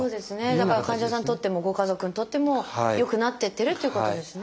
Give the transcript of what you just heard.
だから患者さんにとってもご家族にとっても良くなっていってるっていうことですね。